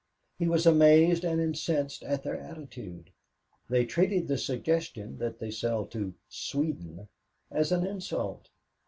He was amazed and incensed at their attitude. They treated the suggestion that they sell to "Sweden" as an insult.